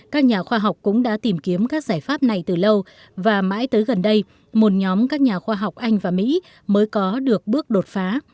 các nhà khoa học cũng đã tìm kiếm các giải pháp này từ lâu và mãi tới gần đây một nhóm các nhà khoa học anh và mỹ mới có được bước đột phá